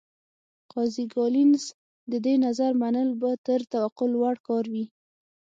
قاضي کالینز د دې نظر منل به تر توقع لوړ کار وي.